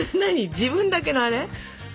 自分だけのあれ？